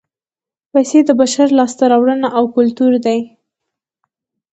پیسې د بشر لاسته راوړنه او کولتور دی